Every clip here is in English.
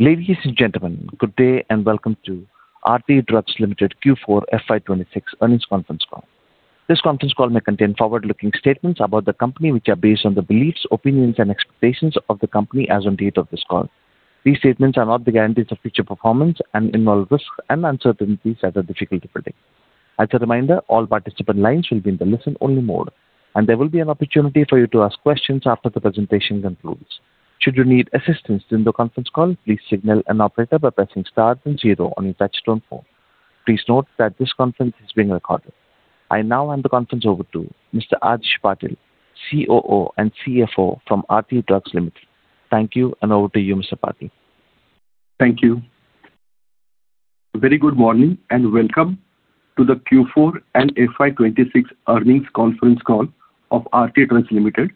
Ladies and gentlemen, good day and welcome to Aarti Drugs Limited Q4 FY 2026 earnings conference call. This conference call may contain forward-looking statements about the company, which are based on the beliefs, opinions, and expectations of the company as on date of this call. These statements are not guarantees of future performance and involve risks and uncertainties that are difficult to predict. As a reminder, all participant lines will be in the listen-only mode, and there will be an opportunity for you to ask questions after the presentation concludes. Should you need assistance during the conference call, please signal an operator by pressing star then zero on your touchtone phone. Please note that this conference is being recorded. I now hand the conference over to Mr. Adhish Patil, COO and CFO from Aarti Drugs Limited. Thank you, and over to you, Mr. Patil. Thank you. Very good morning, and welcome to the Q4 and FY 2026 earnings conference call of Aarti Drugs Limited.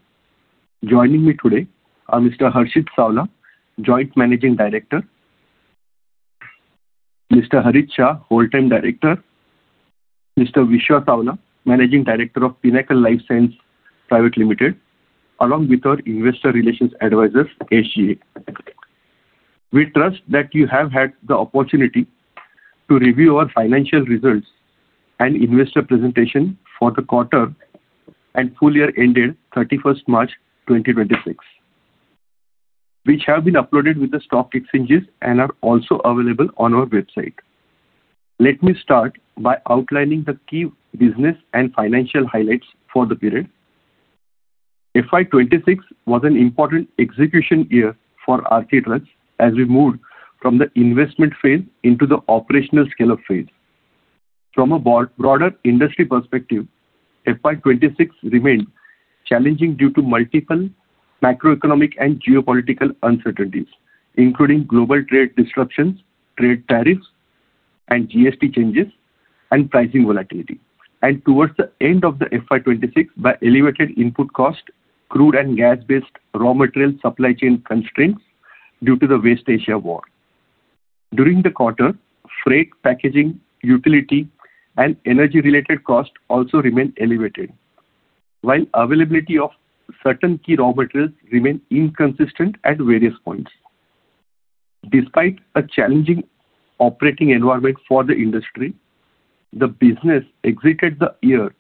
Joining me today are Mr. Harshit Savla, Joint Managing Director. Mr. Harit Shah, Whole-time Director. Mr. Vishwa Savla, Managing Director of Pinnacle Life Science Private Limited, along with our investor relations advisors, SGA. We trust that you have had the opportunity to review our financial results and investor presentation for the quarter and full year ending 31st March 2026, which have been uploaded with the stock exchanges and are also available on our website. Let me start by outlining the key business and financial highlights for the period. FY 2026 was an important execution year for Aarti Drugs as we moved from the investment phase into the operational scale-up phase. From a broad, broader industry perspective, FY 2026 remained challenging due to multiple macroeconomic and geopolitical uncertainties, including global trade disruptions, trade tariffs and GST changes, and pricing volatility. Towards the end of the FY 2026, by elevated input cost, crude and gas-based raw material supply chain constraints due to the West Asia War. During the quarter, freight, packaging, utility, and energy-related costs also remained elevated. While availability of certain key raw materials remained inconsistent at various points. Despite a challenging operating environment for the industry, the business exited the year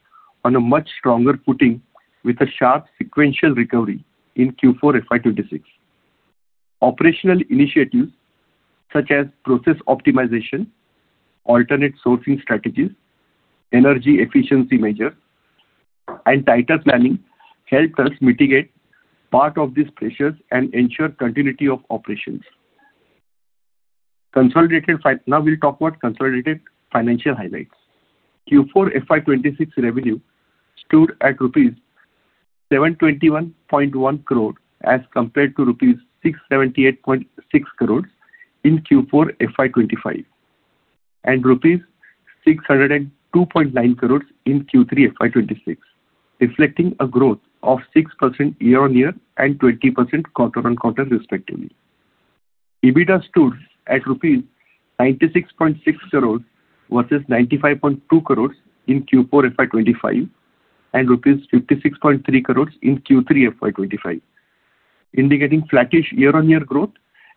on a much stronger footing with a sharp sequential recovery in Q4 FY 2026. Operational initiatives such as process optimization, alternate sourcing strategies, energy efficiency measure, and tighter planning helped us mitigate part of these pressures and ensure continuity of operations. Now we'll talk about consolidated financial highlights. Q4 FY 2026 revenue stood at rupees 721.1 crores as compared to rupees 678.6 crores in Q4 FY 2025 and rupees 602.9 crores in Q3 FY 2026, reflecting a growth of 6% year-on-year and 20% quarter-on-quarter respectively. EBITDA stood at rupees 96.6 crores versus 95.2 crores in Q4 FY 2025 and rupees 56.3 crores in Q3 FY 2025, indicating flattish year-on-year growth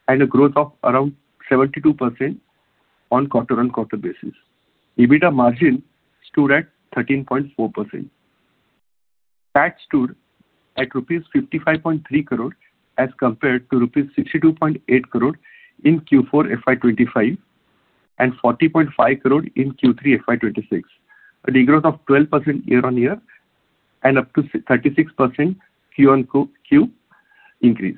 and a growth of around 72% on quarter-on-quarter basis. EBITDA margin stood at 13.4%. Tax stood at rupees 55.3 crores as compared to rupees 62.8 crores in Q4 FY 2025 and 40.5 crores in Q3 FY 2026, a de-growth of 12% year-on-year and up to 36% Q on Q increase.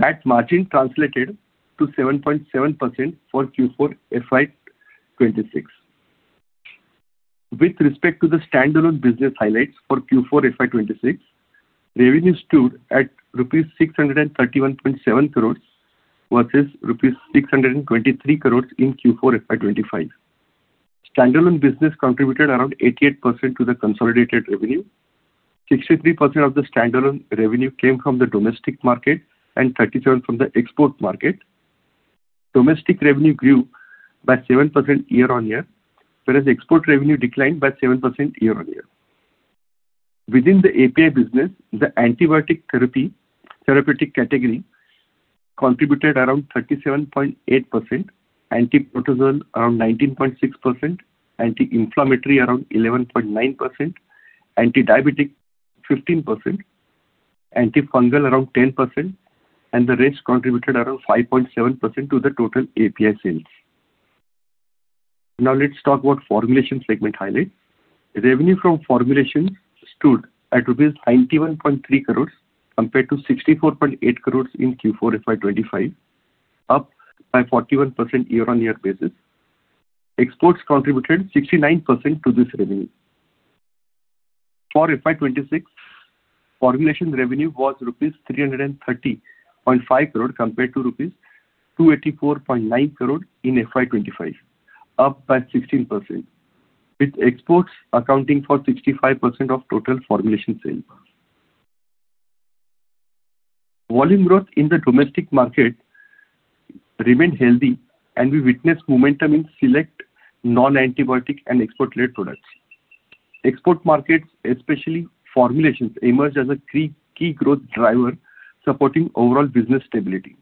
Tax margin translated to 7.7% for Q4 FY 2026. With respect to the standalone business highlights for Q4 FY 2026, revenue stood at rupees 631.7 crores versus rupees 623 crores in Q4 FY 2025. Standalone business contributed around 88% to the consolidated revenue. 63% of the standalone revenue came from the domestic market and 37% from the export market. Domestic revenue grew by 7% year-on-year, whereas export revenue declined by 7% year-on-year. Within the API business, the antibiotic therapeutic category contributed around 37.8%, anti-protozoal around 19.6%, anti-inflammatory around 11.9%, anti-diabetic 15%, antifungal around 10%, and the rest contributed around 5.7% to the total API sales. Let's talk about formulation segment highlight. Revenue from formulation stood at rupees 91.3 crores compared to 64.8 crores in Q4 FY 2025, up by 41% year-on-year basis. Exports contributed 69% to this revenue. For FY 2026, formulation revenue was rupees 330.5 crores compared to rupees 284.9 crores in FY 2025, up by 16%, with exports accounting for 65% of total formulation sales. Volume growth in the domestic market remained healthy, and we witnessed momentum in select non-antibiotic and export-led products. Export markets, especially formulations, emerged as a key growth driver supporting overall business stability.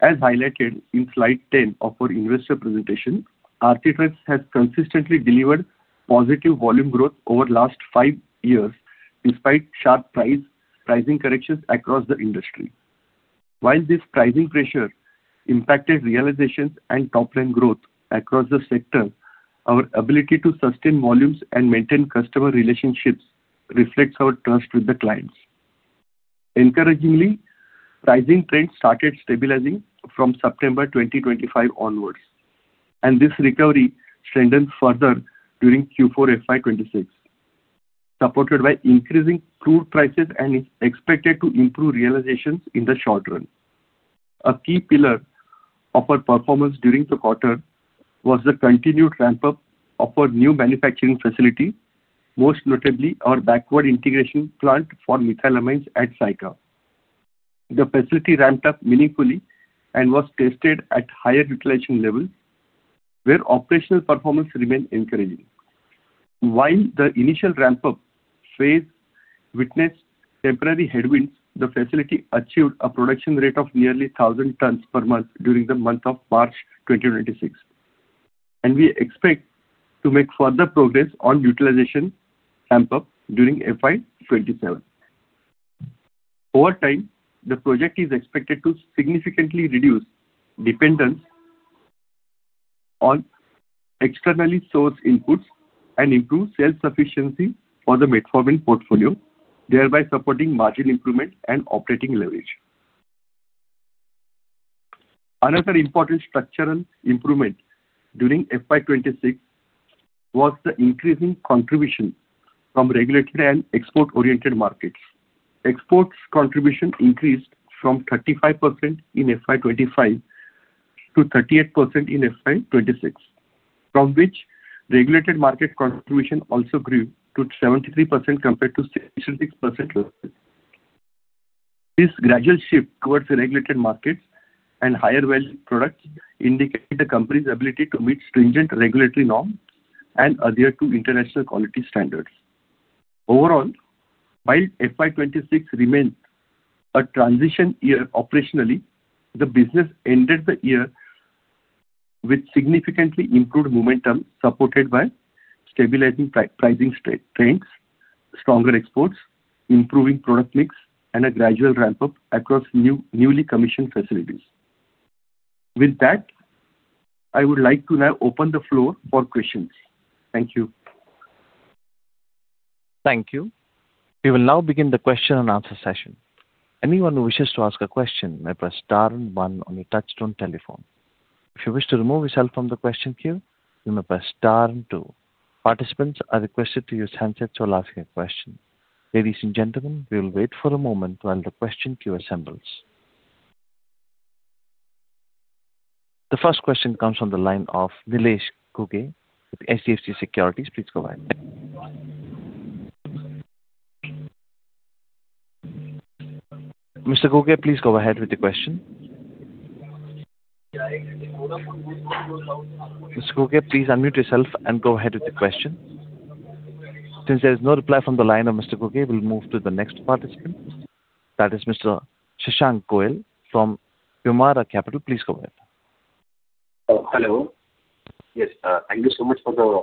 As highlighted in slide 10 of our investor presentation, Aarti Drugs has consistently delivered positive volume growth over the last five years despite sharp pricing corrections across the industry. While this pricing pressure impacted realizations and top line growth across the sector, our ability to sustain volumes and maintain customer relationships reflects our trust with the clients. Encouragingly, pricing trends started stabilizing from September 2025 onwards, and this recovery strengthened further during Q4 FY 2026, supported by increasing crude prices and is expected to improve realizations in the short run. A key pillar of our performance during the quarter was the continued ramp-up of our new manufacturing facility, most notably our backward integration plant for methylamines at Saykha. The facility ramped up meaningfully and was tested at higher utilization levels where operational performance remained encouraging. While the initial ramp-up phase witnessed temporary headwinds, the facility achieved a production rate of nearly 1,000 tons per month during the month of March 2026. We expect to make further progress on utilization ramp-up during FY 2027. Over time, the project is expected to significantly reduce dependence on externally sourced inputs and improve self-sufficiency for the metformin portfolio, thereby supporting margin improvement and operating leverage. Another important structural improvement during FY 2026 was the increasing contribution from regulatory and export-oriented markets. Exports contribution increased from 35% in FY 2025 to 38% in FY 2026, from which regulated market contribution also grew to 73% compared to 66%. This gradual shift towards regulated markets and higher value products indicate the company's ability to meet stringent regulatory norms and adhere to international quality standards. Overall, while FY 2026 remained a transition year operationally, the business ended the year with significantly improved momentum supported by stabilizing pricing trends, stronger exports, improving product mix, and a gradual ramp-up across newly commissioned facilities. With that, I would like to now open the floor for questions. Thank you. Thank you. We will now begin the question and answer session. Anyone who wishes to ask a question may press star one on your touchtone telephone. If you wish to remove yourself from the question queue, you may press star two. Participants are requested to use handsets while asking a question. Ladies and gentlemen, we will wait for a moment while the question queue assembles. The first question comes from the line of Nilesh Ghuge with HDFC Securities. Please go ahead. Mr. Ghuge, please go ahead with the question. Mr. Ghuge, please unmute yourself and go ahead with the question. Since there is no reply from the line of Mr. Ghuge, we will move to the next participant. That is Mr. Shashank Koil from Pyumara Capital. Please go ahead. Hello. Yes, thank you so much for the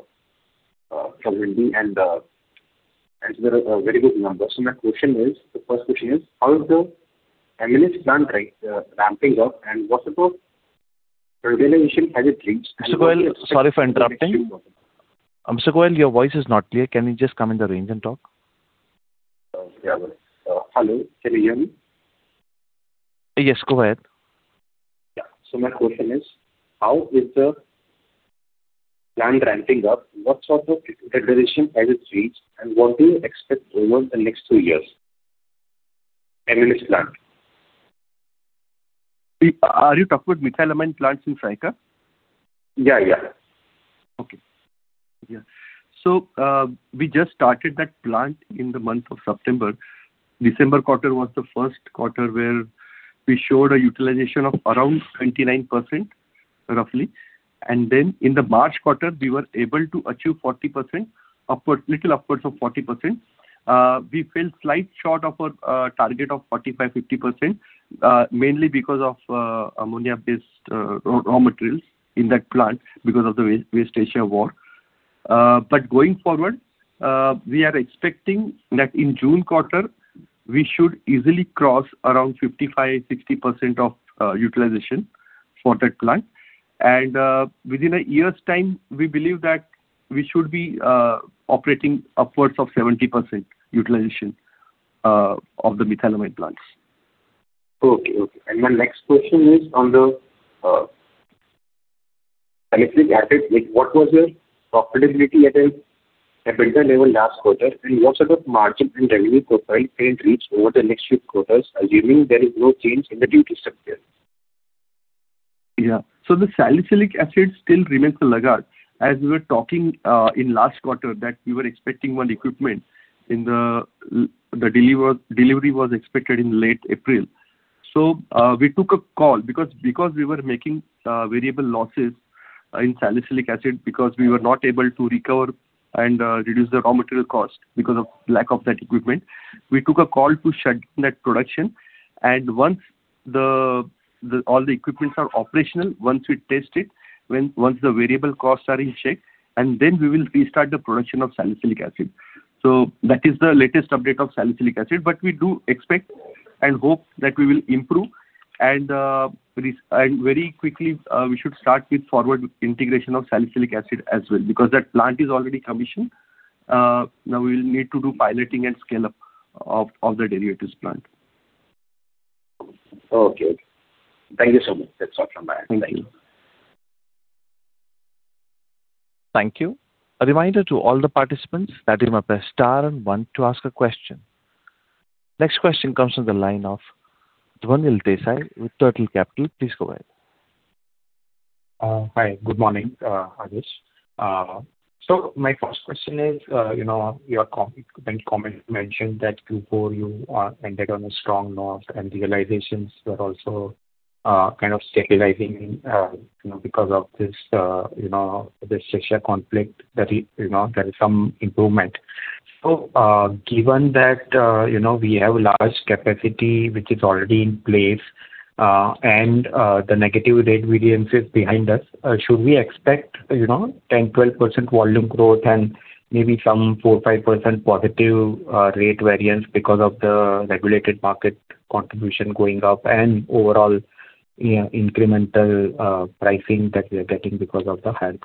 for leading and for the very good numbers. My question is, the first question is, how is the methylamines plant ramping up and what sort of realization has it reached? Mr. Koil, sorry for interrupting. Mr. Koil, your voice is not clear. Can you just come in the range and talk? Yeah. Hello. Can you hear me? Yes, go ahead. Yeah. my question is, How is the plant ramping up? What sort of integration has it reached, and what do you expect over the next two years? Aarti's plant. Are you talking about methylamine plants in Saykha? Yeah, yeah. Okay. Yeah. We just started that plant in the month of September. December quarter was the first quarter where we showed a utilization of around 29%, roughly. In the March quarter, we were able to achieve 40% upward, little upwards of 40%. We fell slight short of our target of 45-50%, mainly because of ammonia-based raw materials in that plant because of the West Asia war. Going forward, we are expecting that in June quarter, we should easily cross around 55-60% of utilization for that plant. Within a year's time, we believe that we should be operating upwards of 70% utilization of the methylamine plants. Okay. Okay. My next question is on the salicylic acid. Like, what was your profitability at a capital level last quarter, and what sort of margin and revenue profile can it reach over the next few quarters, assuming there is no change in the duty structure? Yeah. The salicylic acid still remains a laggard. As we were talking, in last quarter that we were expecting one equipment in the delivery was expected in late April. We took a call because we were making variable losses in salicylic acid because we were not able to recover and reduce the raw material cost because of lack of that equipment. We took a call to shut net production, and once the all the equipments are operational, once we test it, once the variable costs are in check, and then we will restart the production of salicylic acid. That is the latest update of salicylic acid. We do expect and hope that we will improve and very quickly, we should start with forward integration of salicylic acid as well, because that plant is already commissioned. Now we will need to do piloting and scale up of the derivatives plant. Okay. Thank you so much. That's all from my end. Thank you. Thank you. Thank you. A reminder to all the participants that you may press star and one to ask a question. Next question comes from the line of Dhwanil Desai with Turtle Capital. Please go ahead. Hi. Good morning, Adhish. My first question is, you know, your in comment mentioned that Q4 you ended on a strong note and the realizations were also kind of stabilizing, you know, because of this, you know, this Russia conflict that is, you know, there is some improvement. Given that, you know, we have large capacity which is already in place, and the negative rate variance is behind us, should we expect, you know, 10%, 12% volume growth and maybe some 4%, 5% positive rate variance because of the regulated market contribution going up and overall, yeah, incremental pricing that we are getting because of the hand?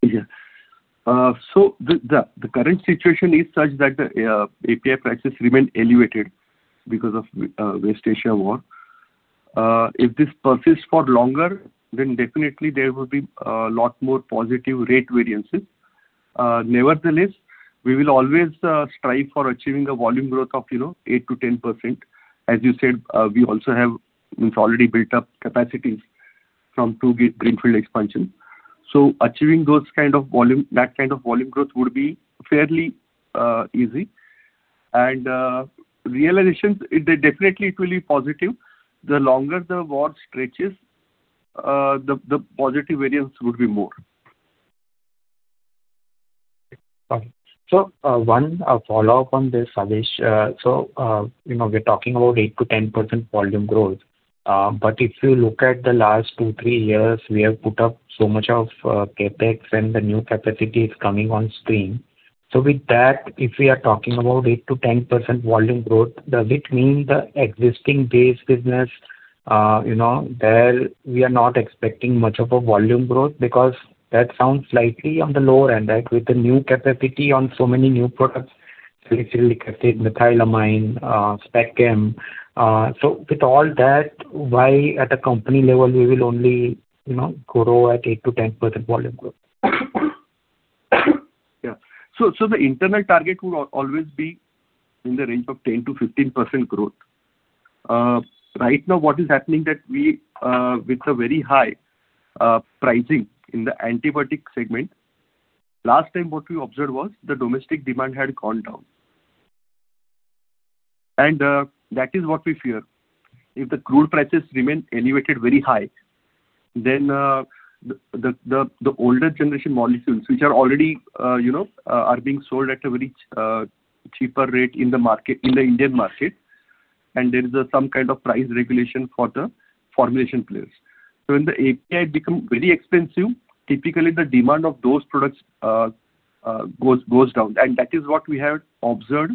Yeah. The current situation is such that the API prices remain elevated because of West Asia war. If this persists for longer, definitely there will be a lot more positive rate variances. Nevertheless, we will always strive for achieving a volume growth of, you know, 8% to 10%. As you said, we also have, you know, already built up capacities from two greenfield expansion. Achieving those kind of volume, that kind of volume growth would be fairly easy. Realizations, it will definitely be positive. The longer the war stretches, the positive variance would be more. Got it. One follow-up on this, Adhish. You know, we're talking about 8%-10% volume growth. If you look at the last two, years, we have put up so much of CapEx and the new capacity is coming on stream. With that, if we are talking about 8%-10% volume growth, does it mean the existing base business, you know, there we are not expecting much of a volume growth because that sounds slightly on the lower end that with the new capacity on so many new products, salicylic acid, methylamine, Specialty Chemicals. With all that, why at a company level we will only, you know, grow at 8%-10% volume growth? Yeah. The internal target will always be in the range of 10%-15% growth. Right now what is happening that we, with a very high pricing in the antibiotic segment, last time what we observed was the domestic demand had gone down. That is what we fear. If the crude prices remain elevated very high, the older generation molecules, which are already, you know, are being sold at a very cheaper rate in the market, in the Indian market, and there is some kind of price regulation for the formulation players. When the API become very expensive, typically the demand of those products goes down. That is what we have observed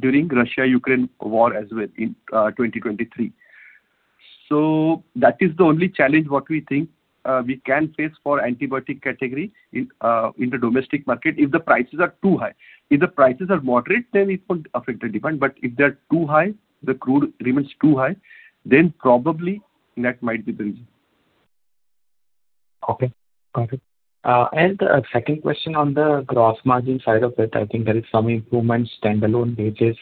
during Russia-Ukraine war as well in 2023. That is the only challenge what we think, we can face for antibiotic category in the domestic market if the prices are too high. If the prices are moderate, then it won't affect the demand. If they're too high, the crude remains too high, then probably that might be the reason. Okay. Got it. The second question on the gross margin side of it, I think there is some improvement standalone basis,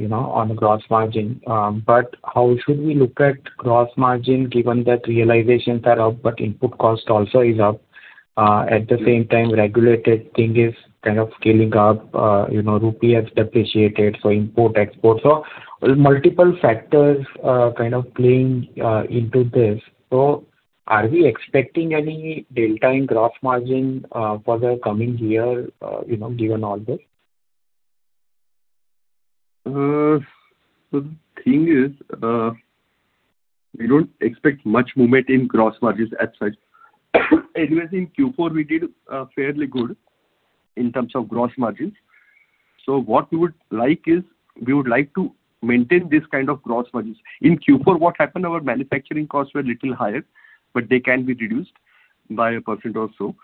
you know, on the gross margin. How should we look at gross margin given that realizations are up but input cost also is up? At the same time regulated thing is kind of scaling up. You know, rupee has depreciated, import, export. Multiple factors are kind of playing into this. Are we expecting any delta in gross margin for the coming year, you know, given all this? The thing is, we don't expect much movement in gross margins as such. Anyways, in Q4 we did, fairly good in terms of gross margins. What we would like is we would like to maintain this kind of gross margins. In Q4 what happened, our manufacturing costs were little higher, but they can be reduced by a percent or so,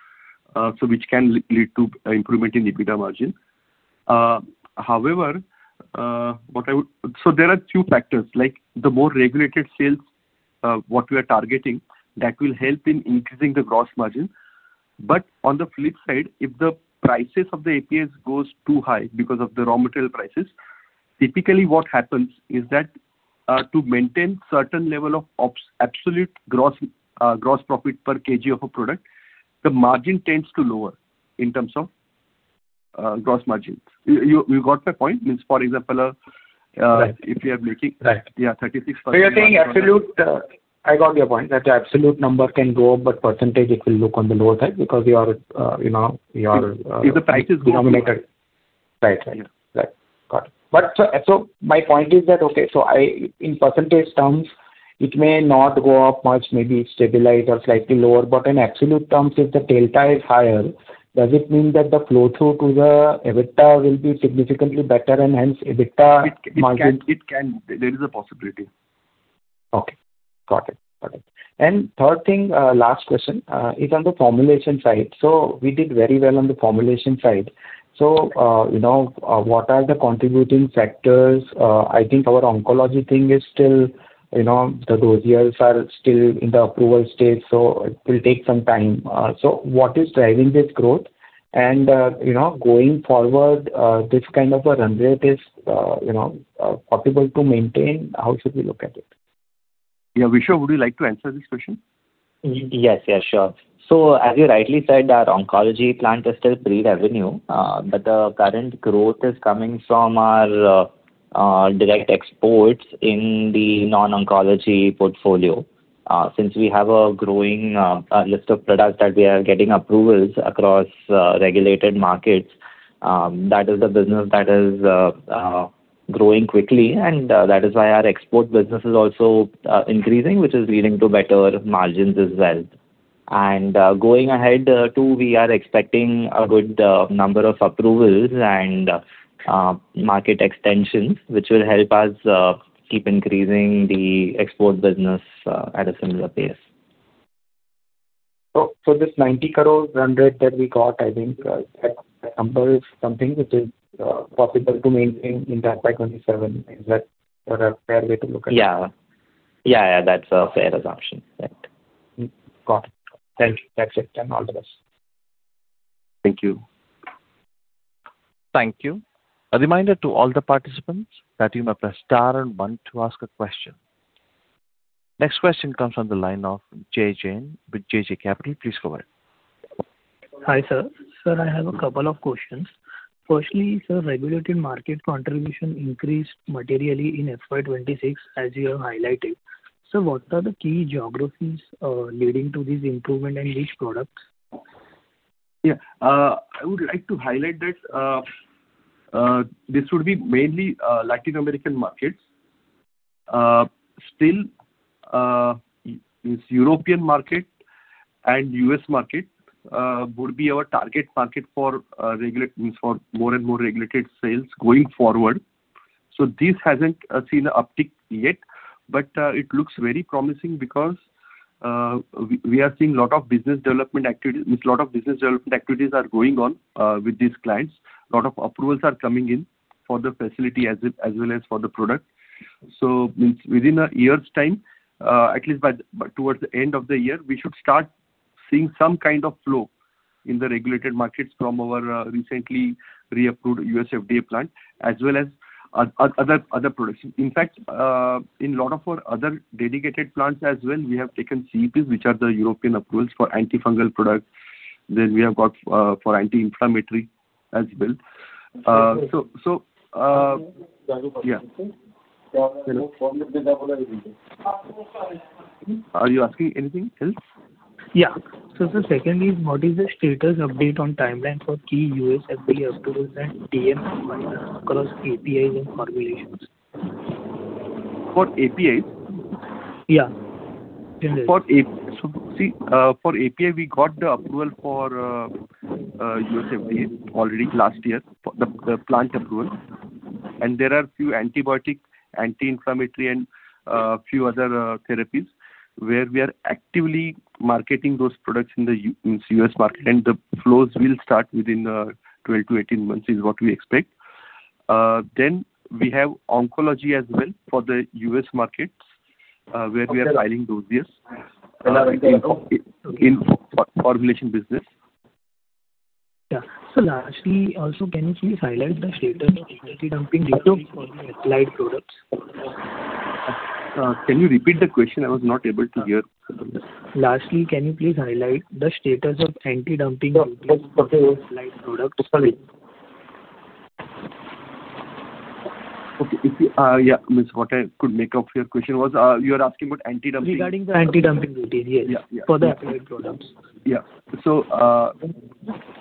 which can lead to improvement in EBITDA margin. However, there are two factors, like the more regulated sales, what we are targeting, that will help in increasing the gross margin. On the flip side, if the prices of the APIs goes too high because of the raw material prices, typically what happens is that, to maintain certain level of ops, absolute gross profit per kg of a product, the margin tends to lower in terms of gross margin. You got my point? Right If we are making- Right -yeah, 36%. You're saying absolute, I got your point, that the absolute number can go up, but percentage it will look on the lower side because we are, you know If the price is going up. -denominated. Right, right. Got it. So my point is that, okay, so in percentage terms, it may not go up much, maybe stabilize or slightly lower, but in absolute terms, if the delta is higher, does it mean that the flow-through to the EBITDA will be significantly better and hence EBITDA margin? It can. There is a possibility. Okay. Got it. Got it. Third thing, last question, is on the formulation side. We did very well on the formulation side. You know, what are the contributing factors? I think our oncology thing is still, you know, the dossiers are still in the approval stage, so it will take some time. What is driving this growth? You know, going forward, this kind of a run rate is, you know, possible to maintain. How should we look at it? Yeah. Vishwa, would you like to answer this question? Yes. Yeah, sure. As you rightly said, our oncology plant is still pre-revenue, the current growth is coming from our direct exports in the non-oncology portfolio. Since we have a growing list of products that we are getting approvals across regulated markets, that is the business that is growing quickly and that is why our export business is also increasing, which is leading to better margins as well. Going ahead, too, we are expecting a good number of approvals and market extensions, which will help us keep increasing the export business at a similar pace. This 90 crores run rate that we got, I think, that number is something which is possible to maintain in FY 2027. Is that sort of a fair way to look at it? Yeah. Yeah, yeah, that's a fair assumption. Yeah. Got it. Thank you. That's it. All the best. Thank you. Thank you. A reminder to all the participants that you may press star and one to ask a question. Next question comes on the line of Jai Jain with. [inaudible] Please go ahead. Hi, sir. Sir, I have a couple of questions. Firstly, sir, regulated market contribution increased materially in FY 2026 as you have highlighted. What are the key geographies leading to this improvement and which products? Yeah. I would like to highlight that this would be mainly Latin American markets. Still, this European market and U.S. market would be our target market for means for more and more regulated sales going forward. This hasn't seen a uptick yet, but it looks very promising because we are seeing lot of business development means lot of business development activities are going on with these clients. Lot of approvals are coming in for the facility as well as for the product. Means within a year's time, at least by towards the end of the year, we should start seeing some kind of flow in the regulated markets from our recently reapproved U.S. FDA plant as well as other products. In fact, in lot of our other dedicated plants as well, we have taken CEPs, which are the European approvals for antifungal products. We have got, for anti-inflammatory as well. Yeah. Are you asking anything else? Yeah. sir, secondly, what is the status update on timeline for key U.S. FDA approvals and DMF filing across APIs and formulations? For APIs? Yeah. For API, we got the approval for U.S. FDA already last year, the plant approval. There are few antibiotic, anti-inflammatory and few other therapies where we are actively marketing those products in the U.S. market and the flows will start within 12 to 18 months is what we expect. We have oncology as well for the U.S. markets, where we are filing dossiers in formulation business. Yeah. Lastly, also can you please highlight the status of anti-dumping duty for the acyclovir products? Can you repeat the question? I was not able to hear. Can you please highlight the status of anti-dumping duty for the acolyte products? Sorry. Okay. If you, means what I could make of your question was, you are asking about anti-dumping. Regarding the anti-dumping duty, yes. Yeah, yeah. For the acolyte products. Yeah.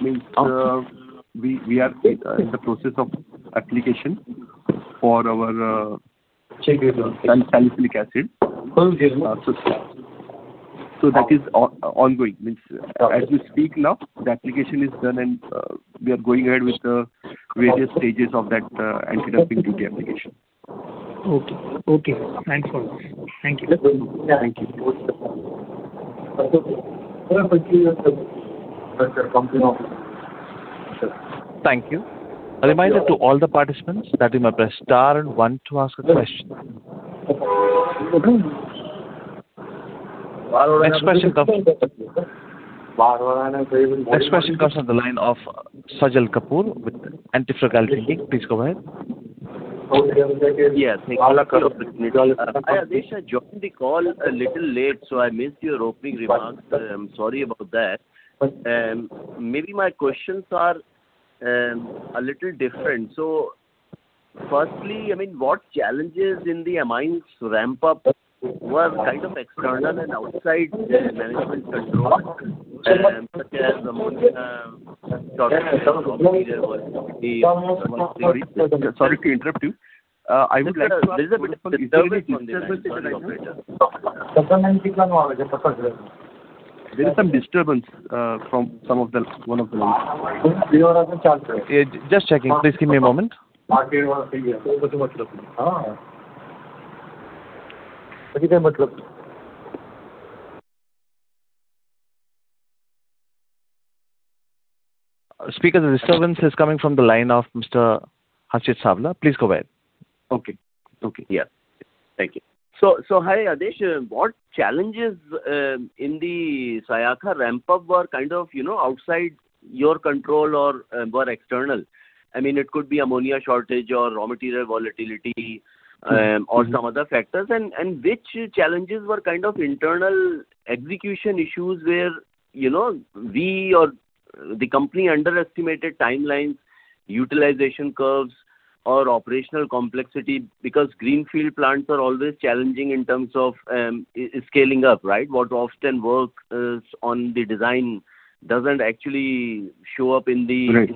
means, we are in the process of application for our Salicylic acid. -salicylic acid. That is ongoing. As we speak now, the application is done and we are going ahead with the various stages of that anti-dumping duty application. Okay. Okay. Thanks for that. Thank you. Thank you. Thank you. A reminder to all the participants that you may press star and one to ask a question. Next question comes on the line of Sajal Kapoor with Antifragile Thinking. Please go ahead. Yes, thank you for the opportunity. Adhish, I joined the call a little late, so I missed your opening remarks. Sorry about that. Maybe my questions are a little different. Firstly, I mean, what challenges in the methylamines ramp up were kind of external and outside the management control, such as ammonia shortage and raw material volatility. Sorry to interrupt you. There's a disturbance in the line. Sorry. There is some disturbance, from some of the one of the lines. Just checking. Please give me a moment. Speaker, the disturbance is coming from the line of Mr. Harshit Savla. Please go ahead. Okay. Okay. Thank you. Hi, Adhish. What challenges in the Saykha ramp up were kind of, you know, outside your control or were external? I mean, it could be ammonia shortage or raw material volatility or some other factors. Which challenges were kind of internal execution issues where, you know, we or the company underestimated timelines, utilization curves or operational complexity. Because greenfield plants are always challenging in terms of scaling up, right? What often works is on the design doesn't actually show up in the- Right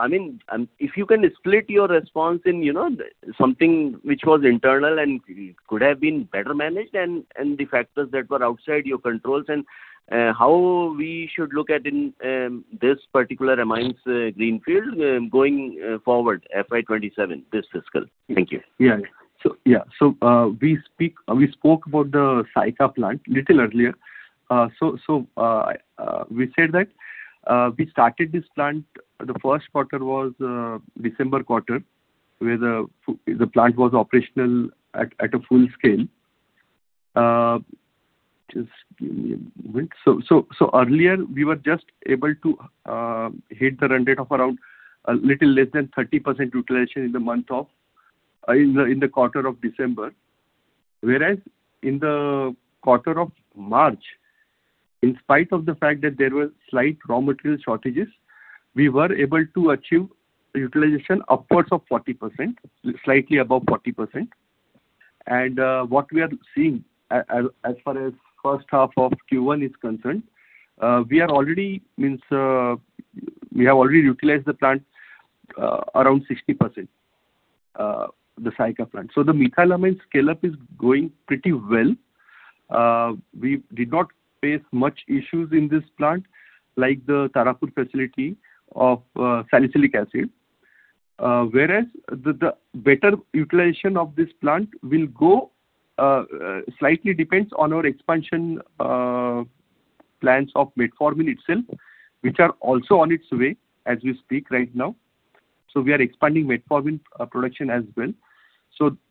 I mean, if you can split your response in, you know, something which was internal and could have been better managed and the factors that were outside your controls and, how we should look at in, this particular amines, Greenfield, going, forward FY 2027, this fiscal. Thank you. We spoke about the Saykha plant little earlier. We said that we started this plant, the first quarter was December quarter, where the plant was operational at a full scale. Just give me a minute. Earlier we were just able to hit the run rate of around a little less than 30% utilization in the month of in the quarter of December. In the quarter of March, in spite of the fact that there were slight raw material shortages, we were able to achieve utilization upwards of 40%, slightly above 40%. What we are seeing as far as first half of Q1 is concerned, we have already utilized the plant around 60%, the Saykha plant. The methylamines scale up is going pretty well. We did not face much issues in this plant like the Tarapur facility of salicylic acid. Whereas the better utilization of this plant will go slightly depends on our expansion plans of metformin itself, which are also on its way as we speak right now. We are expanding metformin production as well.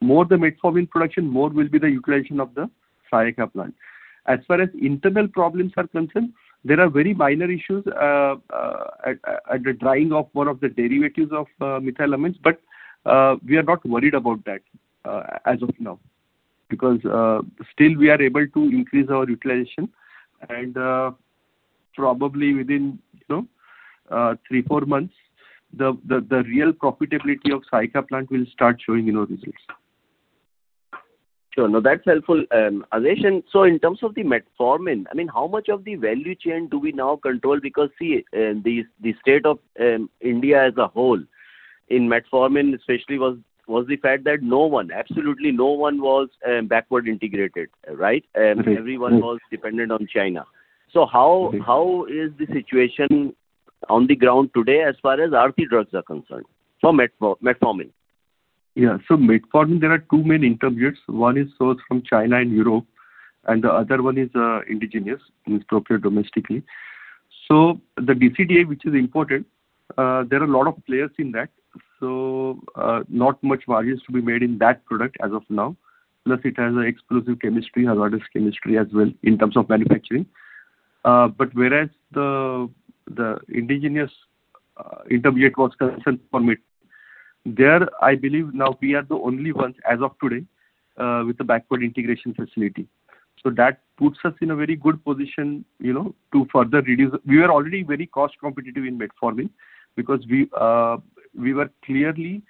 More the metformin production, more will be the utilization of the Saykha plant. As far as internal problems are concerned, there are very minor issues at the drying of one of the derivatives of methylamines. We are not worried about that as of now because still we are able to increase our utilization and probably within, you know, three, four months the real profitability of Saykha plant will start showing, you know, results. Sure. No, that's helpful. Adhish Patil, in terms of the metformin, I mean, how much of the value chain do we now control? See, the state of India as a whole in metformin especially was the fact that no one, absolutely no one was backward integrated, right? Right. Everyone was dependent on China. How- Exactly How is the situation on the ground today as far as Aarti Drugs are concerned for metformin? Metformin there are two main intermediates. One is sourced from China and Europe, and the other one is indigenous, means procure domestically. The DCDA which is imported, there are a lot of players in that, not much margins to be made in that product as of now. Plus it has an exclusive chemistry, hazardous chemistry as well in terms of manufacturing. Whereas the indigenous intermediate was concerned for metformin, there I believe now we are the only ones as of today with the backward integration facility. That puts us in a very good position, you know. We were already very cost competitive in metformin because we were clearly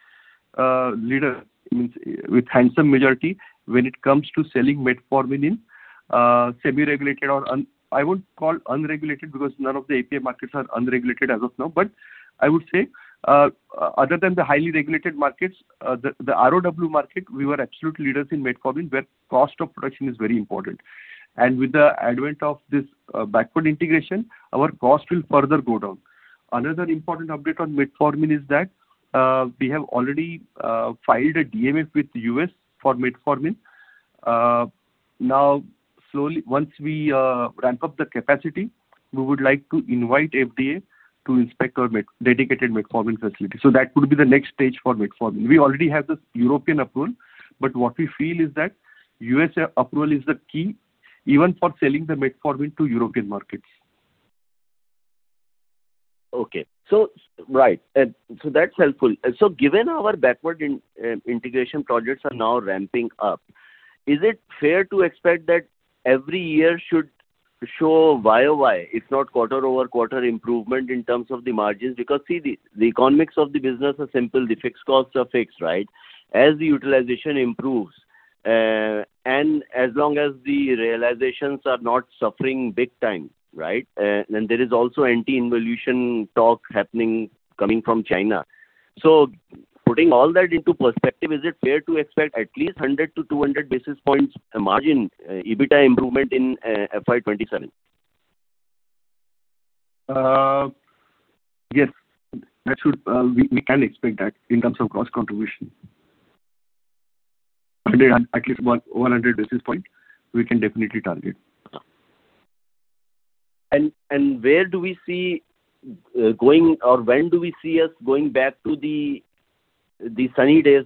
a leader means with handsome majority when it comes to selling metformin in semi-regulated or I won't call unregulated because none of the API markets are unregulated as of now. I would say, other than the highly regulated markets, the ROW market we were absolute leaders in metformin where cost of production is very important. With the advent of this backward integration our cost will further go down. Another important update on metformin is that we have already filed a DMF with U.S. for metformin. Now slowly once we ramp up the capacity we would like to invite FDA to inspect our dedicated metformin facility. That would be the next stage for metformin. We already have the European approval, but what we feel is that U.S. approval is the key even for selling the metformin to European markets. Okay. Right. That's helpful. Given our backward integration projects are now ramping up, is it fair to expect that every year should show YoY, if not quarter-over-quarter improvement in terms of the margins? The economics of the business are simple. The fixed costs are fixed, right? As the utilization improves, and as long as the realizations are not suffering big time, right? There is also anti-dumping talk happening, coming from China. Putting all that into perspective, is it fair to expect at least 100-200 basis points margin, EBITDA improvement in FY 2027? Yes, that should, we can expect that in terms of cost contribution. At least 100 basis points we can definitely target. Where do we see going or when do we see us going back to the sunny days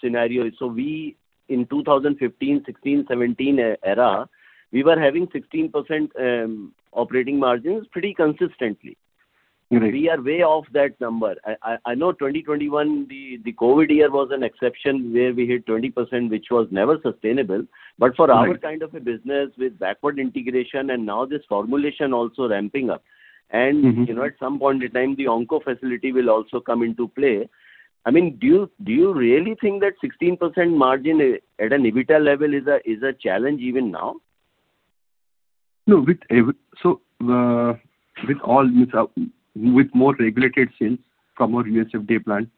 scenario? We, in 2015, 2016, 2017 era, we were having 16% operating margins pretty consistently. Right. We are way off that number. I know 2021, the COVID year was an exception where we hit 20%, which was never sustainable. Right. For our kind of a business with backward integration and now this formulation also ramping up. You know, at some point in time, the onco facility will also come into play. I mean, do you really think that 16% margin at an EBITDA level is a challenge even now? With all this, with more regulated sales from our USFDA plant,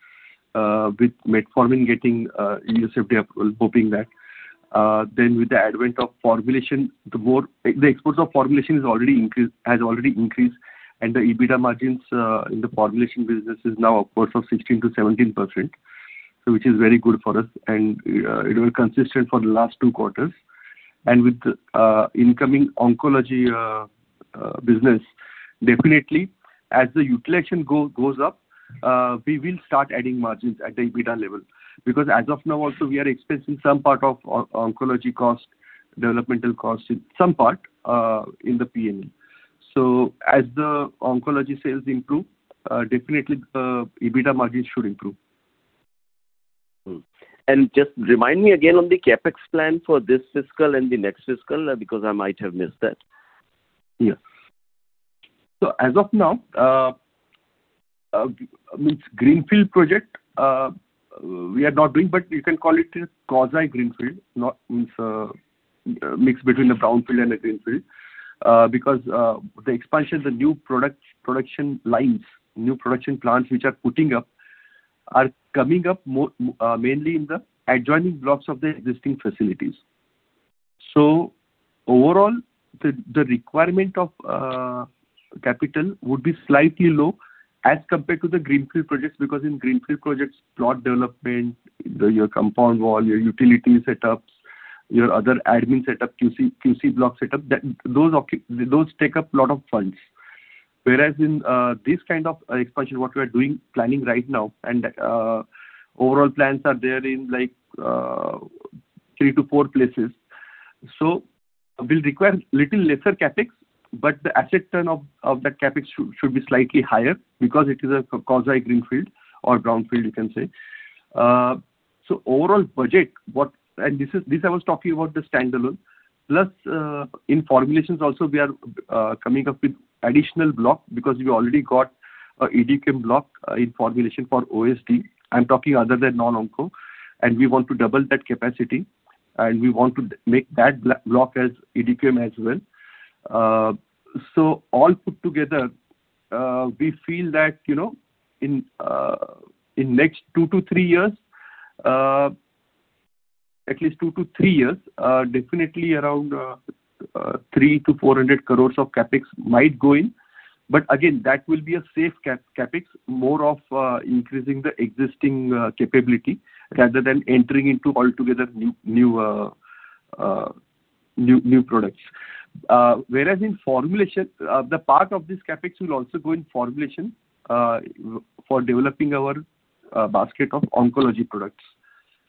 with metformin getting USFDA approval, hoping that. With the advent of formulation, the exports of formulation has already increased, and the EBITDA margins in the formulation business is now upwards of 16%-17%, which is very good for us and it was consistent for the last two quarters. With the incoming oncology business, definitely as the utilization goes up, we will start adding margins at the EBITDA level. Because as of now also we are expensing some part of oncology cost, developmental cost in some part in the P&L. As the oncology sales improve, definitely the EBITDA margins should improve. Just remind me again on the CapEx plan for this fiscal and the next fiscal, because I might have missed that? Yeah. As of now, means Greenfield project, we are not doing, but you can call it a quasi Greenfield, not means a mix between a Brownfield and a Greenfield. Because the expansion, the new product, production lines, new production plants which are putting up are coming up mainly in the adjoining blocks of the existing facilities. Overall, the requirement of capital would be slightly low as compared to the Greenfield projects, because in Greenfield projects, plot development, the, your compound wall, your utility setups, your other admin setup, QC block setup, those take up lot of funds. Whereas in this kind of expansion, what we are doing, planning right now and overall plans are there in like three to four places. Will require little lesser CapEx, but the asset turn of that CapEx shall be slightly higher because it is a quasi Greenfield or Brownfield you can say. Overall project, what this is, this I was talking about the standalone. Plus, in formulations also we are coming up with additional block because we already got a EDQM block in formulation for OSD. I'm talking other than non-onco. We want to double that capacity, and we want to make that block as EDQM as well. All put together, we feel that, you know, in next two to three years, at least two to three years, definitely around 300-400 crores of CapEx might go in. Again, that will be a safe CapEx, more of increasing the existing capability rather than entering into altogether new products. Whereas in formulation, the part of this CapEx will also go in formulation for developing our basket of oncology products,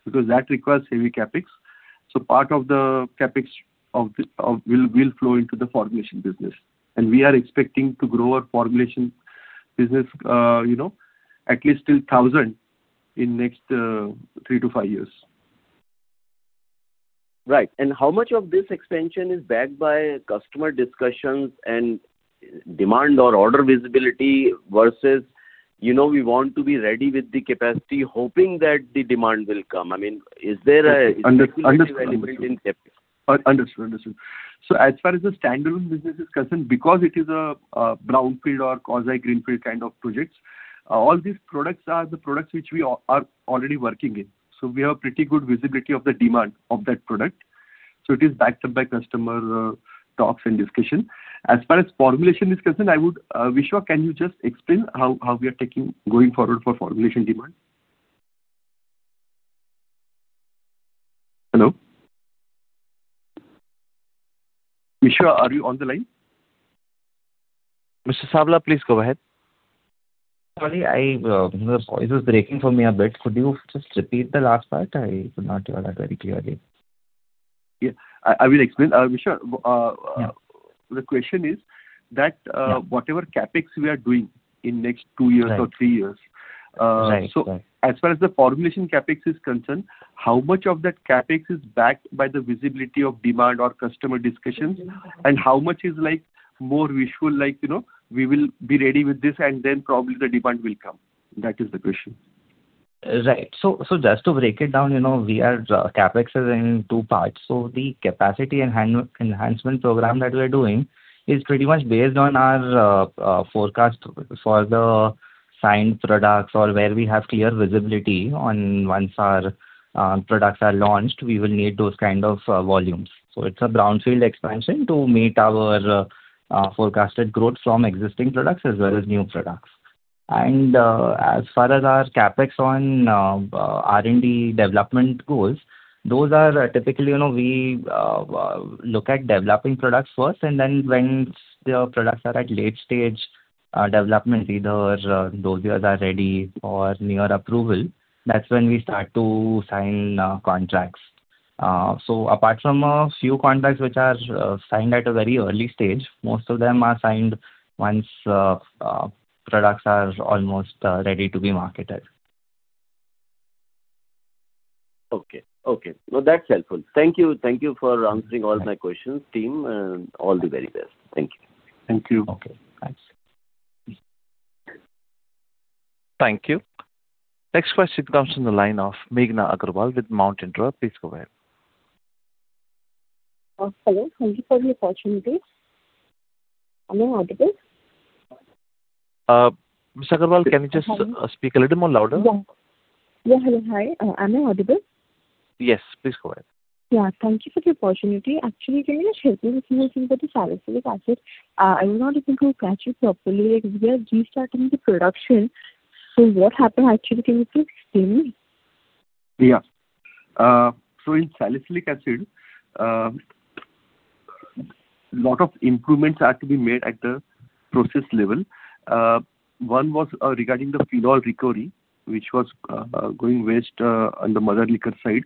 because that requires heavy CapEx. Part of the CapEx will flow into the formulation business. We are expecting to grow our formulation business, you know, at least till 1,000 in next three to five years. Right. How much of this expansion is backed by customer discussions and demand or order visibility versus, you know, we want to be ready with the capacity hoping that the demand will come- Under- -in CapEx? Understood. Understood. As far as the standalone business is concerned, because it is a Brownfield or quasi Greenfield kind of projects, all these products are the products which we are already working in. We have pretty good visibility of the demand of that product. It is backed up by customer talks and discussion. As far as formulation is concerned, I would, Vishwa, can you just explain how we are taking going forward for formulation demand? Hello? Vishwa, are you on the line? Mr. Savla, please go ahead. Sorry, the voice is breaking for me a bit. Could you just repeat the last part? I could not hear that very clearly. Yeah. I will explain. Vishwa- Yeah. The question is that, uh- Yeah -whatever CapEx we are doing in next two years- Right -or three years Right, right As far as the formulation CapEx is concerned, how much of that CapEx is backed by the visibility of demand or customer discussions and how much is, like, more wishful, like, you know, we will be ready with this and then probably the demand will come? That is the question. Right. Just to break it down, you know, we are, CapEx is in two parts. The capacity enhancement program that we are doing is pretty much based on our forecast for the signed products or where we have clear visibility on once our products are launched, we will need those kind of volumes. It's a brownfield expansion to meet our forecasted growth from existing products as well as new products. As far as our CapEx on R&D development goes, those are typically, you know, we look at developing products first and then when the products are at late stage development, either dossiers are ready or near approval, that's when we start to sign contracts. Apart from a few contracts which are signed at a very early stage, most of them are signed once products are almost ready to be marketed. Okay. Okay. No, that's helpful. Thank you. Thank you for answering all my questions, team, and all the very best. Thank you. Thank you. Okay. Thanks. Thank you. Next question comes from the line of Meghna Agarwal with Mount Intra. Please go ahead. Hello. Thank you for the opportunity. Am I audible? Ms. Agarwal, can you just speak a little more louder? Yeah. Yeah. Hello. Hi, am I audible? Yes. Please go ahead. Yeah. Thank you for the opportunity. Actually, can you just help me with, you know, thing about the salicylic acid? I was not able to catch it properly. Like, we are restarting the production, so what happened actually? Can you please explain me? Yeah. In salicylic acid, lot of improvements are to be made at the process level. One was regarding the phenol recovery, which was going waste on the mother liquor side.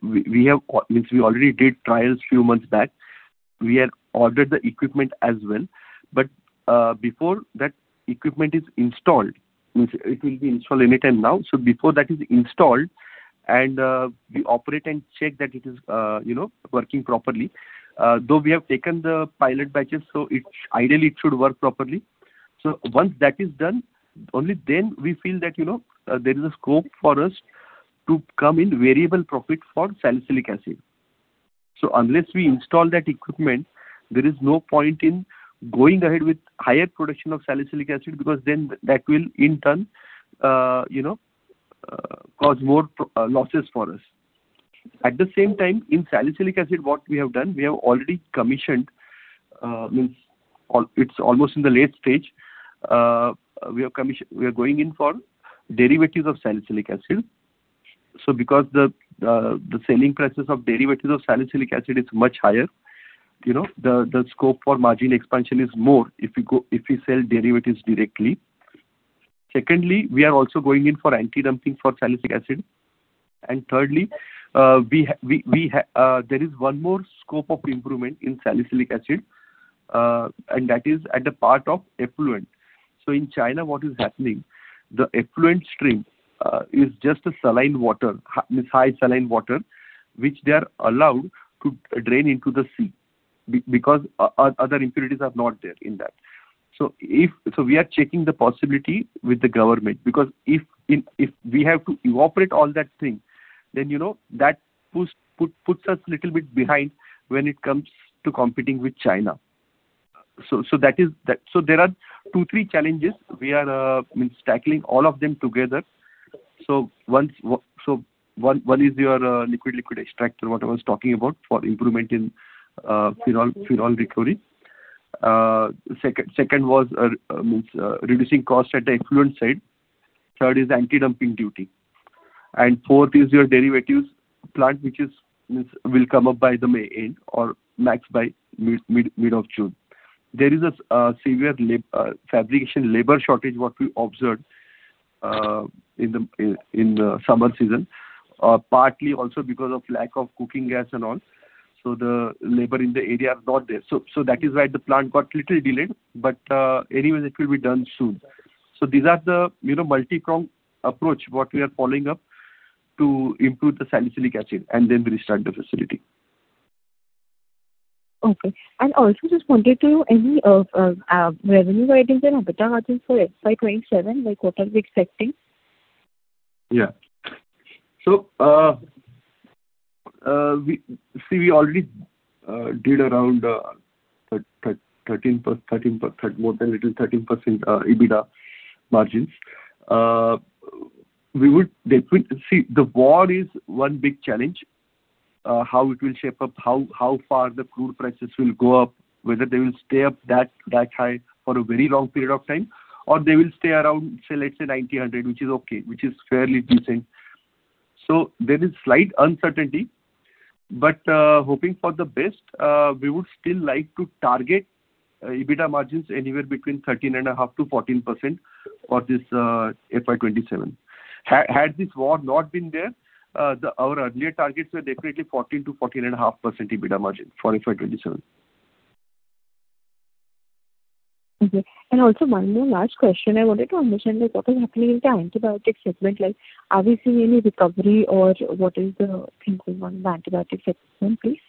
We have, means we already did trials few months back. We had ordered the equipment as well. Before that equipment is installed, means it will be installed anytime now. Before that is installed and we operate and check that it is, you know, working properly. Though we have taken the pilot batches, so it ideally it should work properly. Once that is done, only then we feel that, you know, there is a scope for us to come in variable profit for salicylic acid. Unless we install that equipment, there is no point in going ahead with higher production of salicylic acid, because then that will in turn, you know, cause more losses for us. At the same time, in salicylic acid, what we have done, we have already commissioned, means it's almost in the late stage. We are going in for derivatives of salicylic acid. Because the selling prices of derivatives of salicylic acid is much higher, you know, the scope for margin expansion is more if you go, if you sell derivatives directly. Secondly, we are also going in for anti-dumping for salicylic acid. Thirdly, there is one more scope of improvement in salicylic acid, and that is at the part of effluent. In China, what is happening, the effluent stream is just a saline water, high saline water, which they are allowed to drain into the sea because other impurities are not there in that. We are checking the possibility with the government, because if we have to evaporate all that thing, then, you know, that puts us little bit behind when it comes to competing with China. That is that. There are two, three challenges. We are tackling all of them together. One is your liquid-liquid extractor, what I was talking about for improvement in phenol recovery. Second was reducing cost at the effluent side. Third is anti-dumping duty. Fourth is your derivatives plant, which is will come up by the May end or max by mid of June. There is a severe fabrication labor shortage, what we observed in the summer season, partly also because of lack of cooking gas and all. The labor in the area are not there. That is why the plant got little delayed. Anyway, it will be done soon. These are the, you know, multi-pronged approach, what we are following up to improve the salicylic acid, and then we restart the facility. Okay. Also just wanted to know any revenue guidance and EBITDA guidance for FY 2027, like what are we expecting? Yeah, we see already did around more than 13% EBITDA margins. We would definitely see, the war is one big challenge, how it will shape up, how far the crude prices will go up, whether they will stay up that high for a very long period of time, or they will stay around, say let's say 90, 100, which is okay, which is fairly decent. There is slight uncertainty, but, hoping for the best, we would still like to target EBITDA margins anywhere between 13.5%-14% for this FY 2027. Had this war not been there, our earlier targets were definitely 14%-14.5% EBITDA margin for FY 2027. Okay. Also one more last question. I wanted to understand like what is happening in the antibiotic segment. Like are we seeing any recovery or what is the thing going on in the antibiotic segment, please?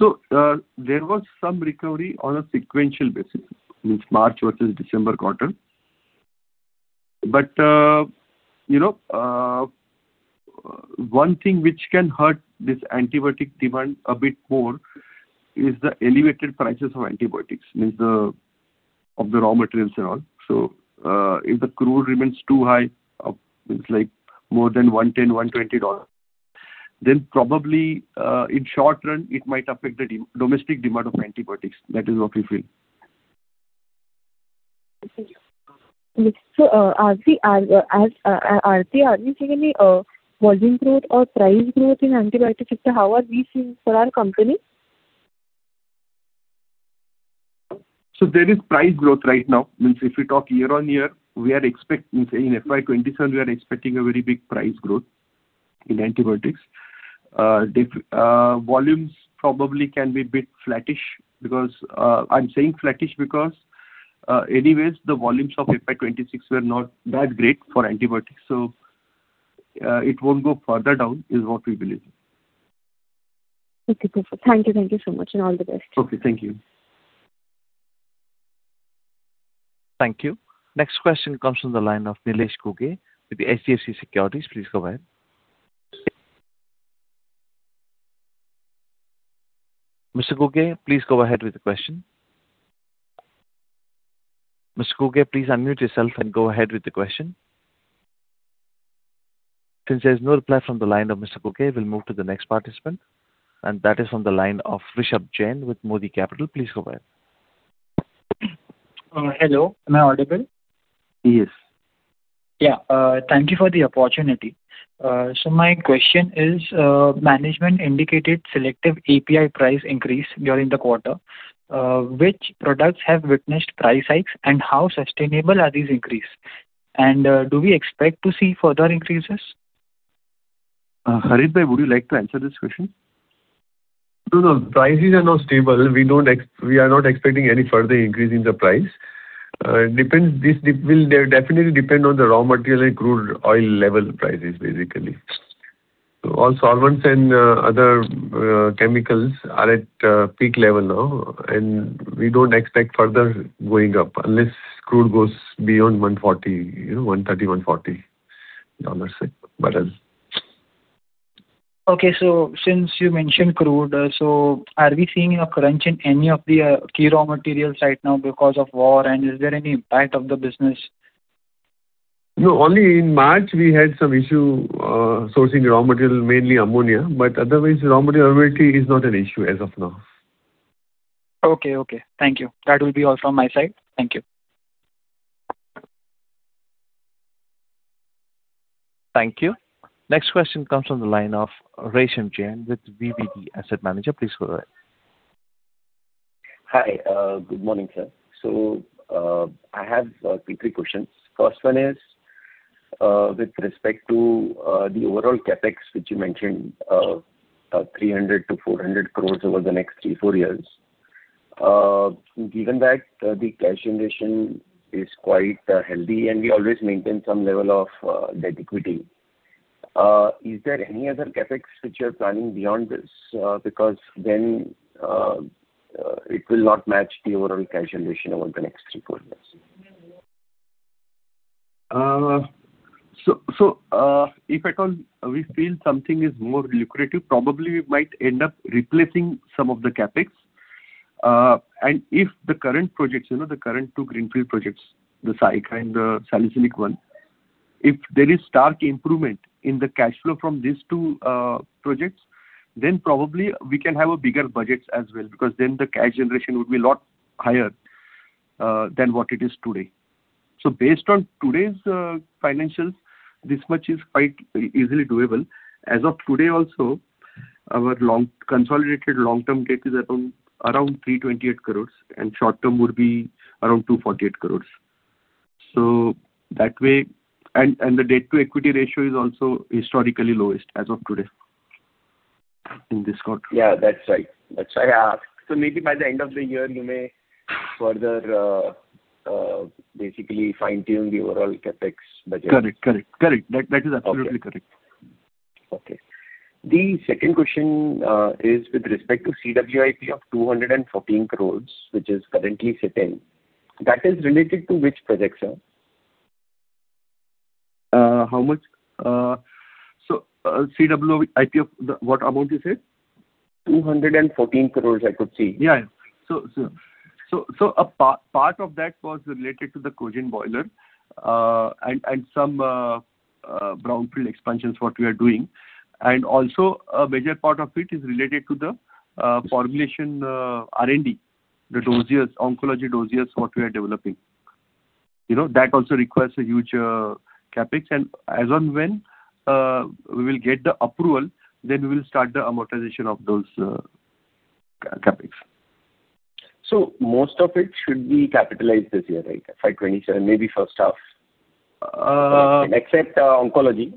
There was some recovery on a sequential basis, means March versus December quarter. You know, one thing which can hurt this antibiotic demand a bit more is the elevated prices of antibiotics, means the raw materials and all. If the crude remains too high, means like more than $110, $120, then probably, in short run it might affect the domestic demand of antibiotics. That is what we feel. Thank you. Are we seeing any volume growth or price growth in antibiotic sector? How are we seeing for our company? There is price growth right now. If we talk year-on-year, means in FY 2027 we are expecting a very big price growth in antibiotics. Volumes probably can be bit flattish because I'm saying flattish because anyways the volumes of FY 2026 were not that great for antibiotics, so it won't go further down, is what we believe. Okay, perfect. Thank you. Thank you so much, and all the best. Okay, thank you. Thank you. Next question comes from the line of Nilesh Ghuge with HDFC Securities. Please go ahead. Mr. Ghuge, please go ahead with the question. Mr. Ghuge, please unmute yourself and go ahead with the question. Since there's no reply from the line of Mr. Ghuge, we'll move to the next participant, and that is on the line of Rishabh Jain with Modi Capital. Please go ahead. Hello, am I audible? Yes. Thank you for the opportunity. My question is, management indicated selective API price increase during the quarter. Which products have witnessed price hikes, and how sustainable are these increase? Do we expect to see further increases? Harit, would you like to answer this question? No, no. Prices are now stable. We are not expecting any further increase in the price. It depends, this will definitely depend on the raw material and crude oil level prices, basically. All solvents and other chemicals are at peak level now, and we don't expect further going up unless crude goes beyond $140, you know, $130, $140, but. Okay. Since you mentioned crude, are we seeing a crunch in any of the key raw materials right now because of war, and is there any impact of the business? No. Only in March we had some issue, sourcing raw material, mainly ammonia. Otherwise raw material availability is not an issue as of now. Okay, okay. Thank you. That will be all from my side. Thank you. Thank you. Next question comes from the line of Resham Jain with VVD Asset Managers. Please go ahead. Hi. Good morning, sir. I have two, three questions. First one is with respect to the overall CapEx which you mentioned, 300 crore-400 crore over the next three, four years. Given that the cash generation is quite healthy and we always maintain some level of debt equity, is there any other CapEx which you're planning beyond this? It will not match the overall cash generation over the next three, four years. If at all we feel something is more lucrative, probably we might end up replacing some of the CapEx. If the current projects, you know, the current two Greenfield projects, the Saykha and the salicylic one, if there is stark improvement in the cash flow from these two projects, then probably we can have a bigger budget as well, because then the cash generation would be a lot higher than what it is today. Based on today's financials, this much is quite easily doable. As of today also, our long, consolidated long-term debt is around 328 crores, and short-term would be around 248 crores. The debt to equity ratio is also historically lowest as of today in this quarter. Yeah, that's right. That's why I asked. Maybe by the end of the year you may further basically fine-tune the overall CapEx budget. Correct. Correct. That is absolutely correct. Okay. The second question is with respect to CWIP of 214 crores, which is currently sitting. That is related to which projects, sir? How much? CWIP, the, what amount you said? 214 crore I could see. Yeah, yeah. A part of that was related to the cogen boiler, and some brownfield expansions what we are doing. Also a major part of it is related to the formulation R&D, the dossiers, oncology dossiers what we are developing. You know, that also requires a huge CapEx. As on when we will get the approval, then we will start the amortization of those CapEx. Most of it should be capitalized this year, right? FY 2027, maybe first half. Uh- Except, oncology.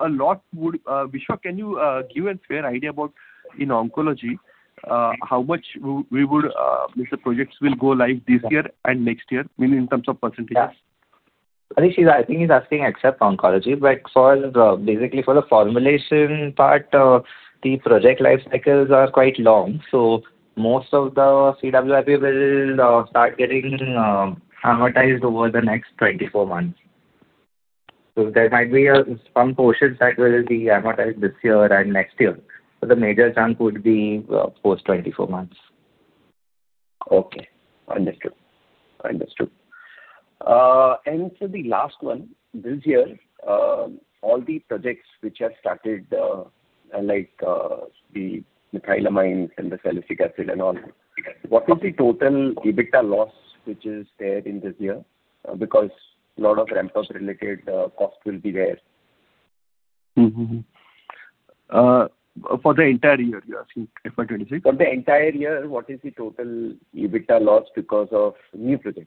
Vishwa, can you give us your idea about in oncology, how much we would if the projects will go live this year and next year, I mean, in terms of percentages? Yeah. I think he's asking except oncology. Basically for the formulation part, the project life cycles are quite long, most of the CWIP will start getting amortized over the next 24 months. There might be some portions that will be amortized this year and next year, but the major chunk would be post 24 months. Okay. Understood. Understood. Sir, the last one. This year, all the projects which have started, like, the methylamine and the salicylic acid and all, what is the total EBITDA loss which is there in this year? Because a lot of ramp-up related, cost will be there. Mm-hmm. For the entire year you're asking, for FY 2026? For the entire year, what is the total EBITDA loss because of new projects?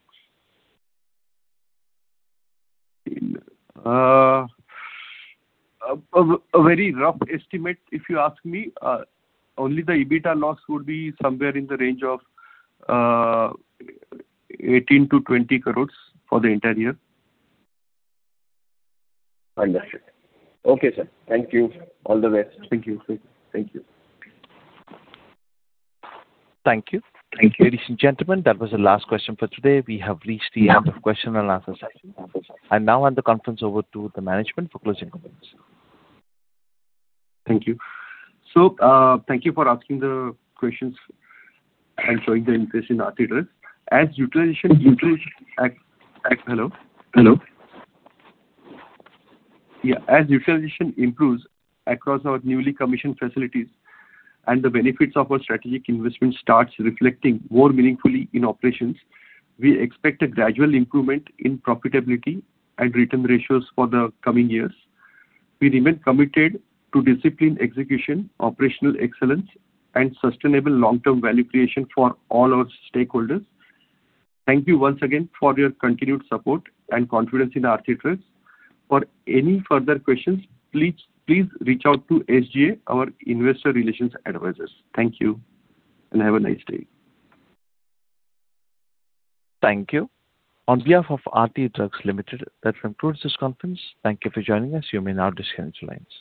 A very rough estimate, if you ask me, only the EBITDA loss would be somewhere in the range of 18 crore-20 crore for the entire year. Understood. Okay, sir. Thank you. All the best. Thank you. Thank you. Thank you. Thank you. Ladies and gentlemen, that was the last question for today. We have reached the end of question and answer session. I now hand the conference over to the management for closing comments. Thank you. Thank you for asking the questions and showing the interest in Aarti Drugs. As utilization improves across our newly commissioned facilities and the benefits of our strategic investment starts reflecting more meaningfully in operations, we expect a gradual improvement in profitability and return ratios for the coming years. We remain committed to disciplined execution, operational excellence and sustainable long-term value creation for all our stakeholders. Thank you once again for your continued support and confidence in Aarti Drugs. For any further questions, please reach out to SGA, our investor relations advisors. Thank you. Have a nice day. Thank you. On behalf of Aarti Drugs Limited, that concludes this conference. Thank you for joining us. You may now disconnect your line.